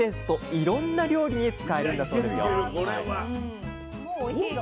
いろんな料理に使えるんだそうですよ